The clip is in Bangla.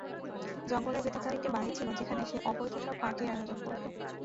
জঙ্গলের ভেতর তার একটা বাড়ি ছিল যেখানে সে অবৈধ সব পার্টির আয়োজন করত।